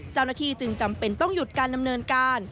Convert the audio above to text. เจ้าหน้าที่จึงจำเป็นต้องหยุดการดำเนินการ